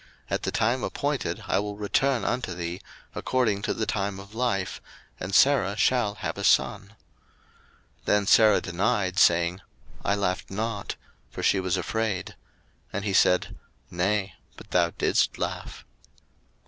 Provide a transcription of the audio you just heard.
At the time appointed I will return unto thee, according to the time of life, and Sarah shall have a son. 01:018:015 Then Sarah denied, saying, I laughed not; for she was afraid. And he said, Nay; but thou didst laugh.